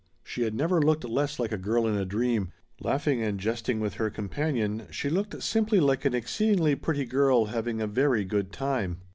She had never looked less like a girl in a dream. Laughing and jesting with her companion, she looked simply like an exceedingly pretty girl having a very good time.